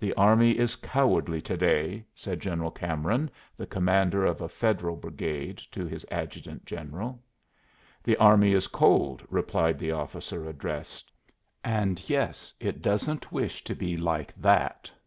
"The army is cowardly to day," said General Cameron, the commander of a Federal brigade, to his adjutant general. "The army is cold," replied the officer addressed, "and yes, it doesn't wish to be like that."